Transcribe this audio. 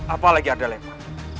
apalagi arda leman